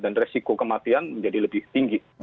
dan resiko kematian menjadi lebih tinggi